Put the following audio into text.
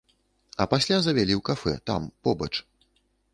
А пасля завялі ў кафэ там, побач.